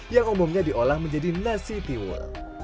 yang umumnya diolah menjadi nasi tiwul